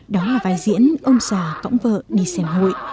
đóng là vai diễn ông già cõng vợ đi sẻ hội